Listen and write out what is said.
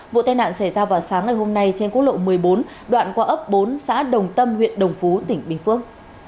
vụ tai nạn xảy ra vào sáng ngày hôm nay trên quốc lộ một mươi bốn đoạn qua ấp bốn xã đồng tâm huyện đồng phú tỉnh bình phước